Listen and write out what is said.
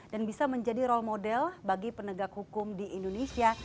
dan bisa menjadi role model bagi penegak hukum di indonesia